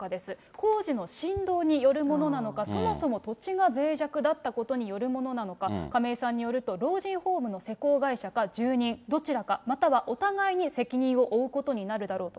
工事の振動によるものなのか、そもそも土地がぜい弱だったことによるものなのか、亀井先生によると、施工会社か住人、どちらか、またはお互いに責任を追うことになるだろうと。